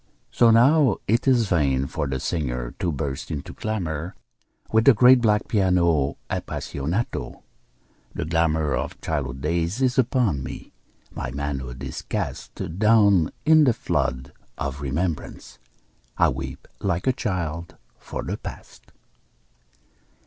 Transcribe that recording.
So now it is vain for the singer to burst into clamor With the great black piano apassionato. The glamor Of childhood days is upon me, my manhood is cast Down in the flood of remembrance, I weep like a child for the past.